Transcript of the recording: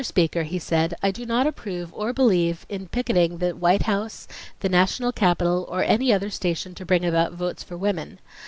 Speaker," he said, "I do not approve or believe in picketing the White House, the National Capitol, or any other station to bring about votes for women.